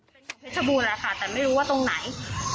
เป็นของเพชรบูรณแหละค่ะแต่ไม่รู้ว่าตรงไหน